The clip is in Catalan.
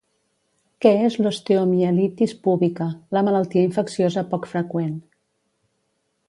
Què és l'osteomielitis púbica, la malaltia infecciosa poc freqüent.